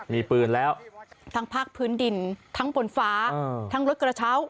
มีปืนแล้วทั้งภาคพื้นดินทั้งบนฟ้าทั้งรถกระเช้า